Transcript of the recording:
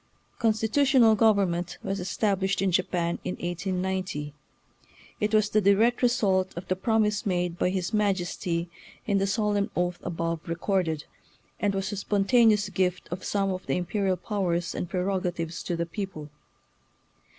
Constitutional government was estab lished in Japan in 1890. It was the di rect result of the promise made by his Majesty in the solemn oath above record ed, and was a spontaneous gift of some of the imperial powers and prerogatives to the people.